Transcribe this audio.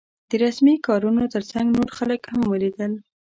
د رسمي کارونو تر څنګ نور خلک هم ولیدل.